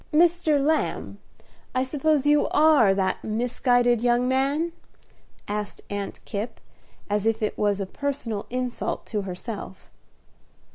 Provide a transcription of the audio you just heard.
"Mr. Lamb, I suppose you are that misguided young man?" said Aunt Kipp, as if it was a personal insult to herself.